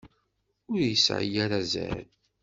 Ur yesɛi ara azal.